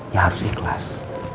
ya harus ikhlas